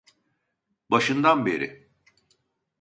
Başından beri.